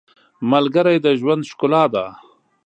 • ملګری د ژوند ښکلا ده.